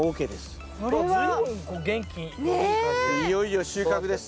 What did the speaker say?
いよいよ収穫です。